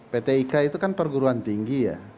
pt ika itu kan perguruan tinggi ya